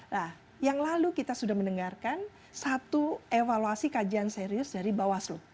nah yang lalu kita sudah mendengarkan satu evaluasi kajian serius dari bawaslu